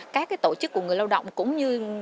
các tổ chức của người lao động cũng như